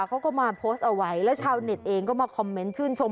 เขาก็มาโพสต์เอาไว้แล้วชาวเน็ตเองก็มาคอมเมนต์ชื่นชม